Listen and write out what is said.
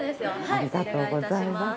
ありがとうございます。